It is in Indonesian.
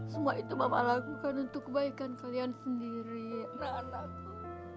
semua itu bapak lakukan untuk kebaikan kalian sendiri dan anakku